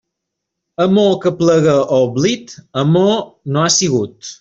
Amor que aplega a oblit, amor no ha sigut.